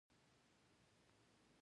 هغه خپل دوه کلن پلان جوړ کړ او ویې لیکه